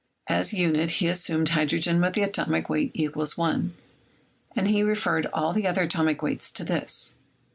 As unit he assumed hydrogen with the atomic weight = 1, and he referred all the other atomic weights to this.